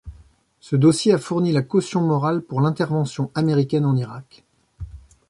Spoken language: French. Ce dossier a fourni la caution morale pour l'intervention américaine en Irak.